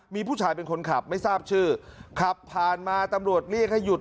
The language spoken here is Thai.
มีผู้ชายเป็นคนขับไม่ทราบชื่อขับผ่านมาตำรวจเรียกให้หยุด